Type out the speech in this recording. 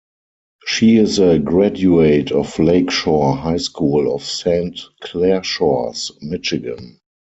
She is a graduate of Lake Shore High School of Saint Clair Shores, Michigan.